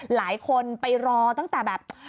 หลายคนไปรอตั้งแต่แบบ